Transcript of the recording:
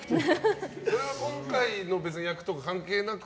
それは今回の役とかは関係なく？